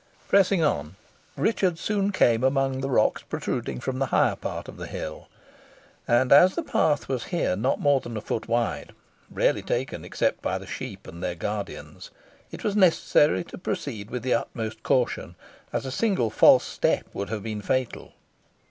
Pressing on, Richard soon came among the rocks protruding from the higher part of the hill, and as the path was here not more than a foot wide, rarely taken except by the sheep and their guardians, it was necessary to proceed with the utmost caution, as a single false step would have been fatal.